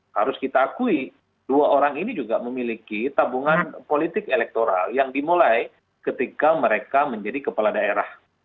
harus kita akui dua orang ini juga memiliki tabungan politik elektoral yang dimulai ketika mereka menjadi kepala daerah